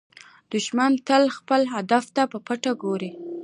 دښمن تل خپل هدف ته په پټه ګوري